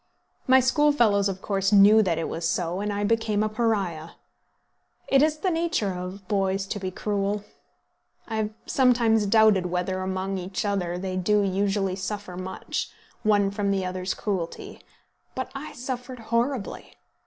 My schoolfellows of course knew that it was so, and I became a Pariah. It is the nature of boys to be cruel. I have sometimes doubted whether among each other they do usually suffer much, one from the other's cruelty; but I suffered horribly!